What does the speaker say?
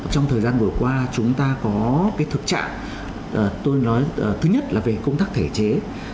trong thời gian vừa qua chúng ta có cái thực trạng tôi nói thứ nhất là về công tác thể chế